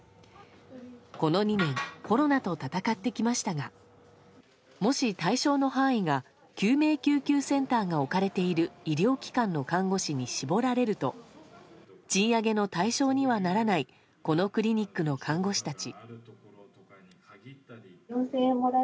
この２年コロナと闘ってきましたがもし、対象の範囲が救命救急センターが置かれている医療機関の看護師に絞られると賃上げの対象にはならないこのクリニックの看護師たち。